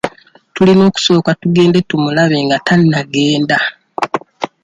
Tulina okusooka tugende tumulabe nga tannagenda.